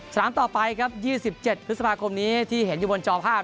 ต่อไปครับ๒๗พฤษภาคมนี้ที่เห็นอยู่บนจอภาพ